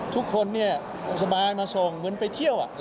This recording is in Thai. ทุกคนสบายมาส่งเหมือนไปเที่ยว